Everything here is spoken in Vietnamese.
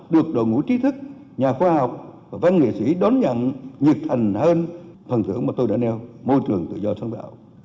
được đổi ngũ chi thức nhà khoa học văn nghệ sĩ đón nhận nhược thành hơn phần thưởng mà tôi đã nêu môi trường tự do sáng tạo